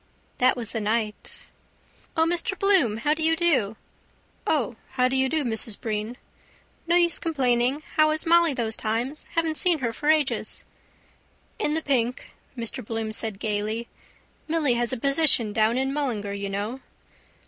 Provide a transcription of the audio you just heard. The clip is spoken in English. That was the night... —O, Mr Bloom, how do you do? —O, how do you do, Mrs Breen? —No use complaining. How is Molly those times? Haven't seen her for ages. —In the pink, Mr Bloom said gaily. Milly has a position down in Mullingar, you know.